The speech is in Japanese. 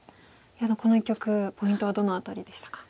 この一局ポイントはどの辺りでしたか。